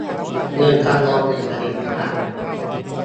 หนึ่งตำบลหนึ่งผลิตภัณฑ์